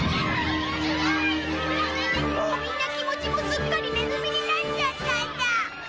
もうみんな気持ちもすっかりネズミになっちゃったんだ。